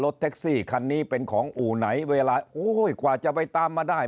แท็กซี่คันนี้เป็นของอู่ไหนเวลาโอ้ยกว่าจะไปตามมาได้